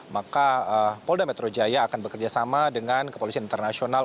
maka polda metro jaya akan bekerjasama dengan kepolisian internasional